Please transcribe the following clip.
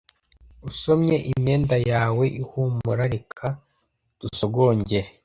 Usome imyenda yawe ihumura reka dusogongere